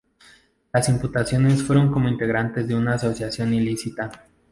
Las imputaciones fueron como integrantes de una asociación ilícita.